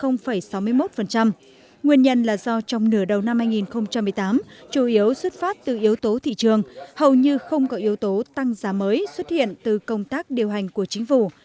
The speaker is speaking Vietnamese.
nguyên nhân là do trong nửa đầu năm hai nghìn một mươi tám chủ yếu xuất phát từ yếu tố thị trường hầu như không có yếu tố tăng giá mới xuất hiện từ công tác điều hành của chính phủ